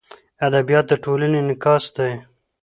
ادبیات د ټولنې انعکاس دی.